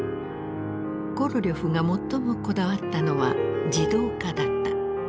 コロリョフが最もこだわったのは自動化だった。